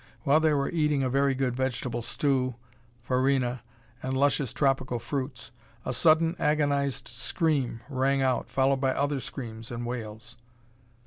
While they were eating a very good vegetable stew, farina, and luscious tropical fruits, a sudden, agonized scream rang out, followed by other screams and wails.